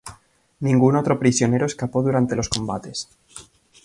Ningún otro prisionero escapó durante los combates.